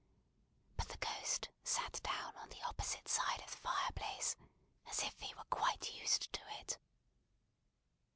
But the ghost sat down on the opposite side of the fireplace, as if he were quite used to it.